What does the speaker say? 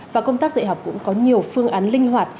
và công tác dạy học cũng có nhiều phương án linh hoạt